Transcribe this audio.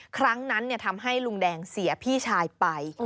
ครั้งนั้นทำให้ลุงแดงเสียพี่ชายไป